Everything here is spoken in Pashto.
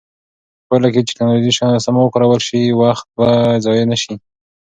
په پایله کې چې ټکنالوژي سمه وکارول شي، وخت به ضایع نه شي.